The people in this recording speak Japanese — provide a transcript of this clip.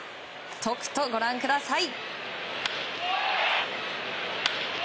とくとご覧ください。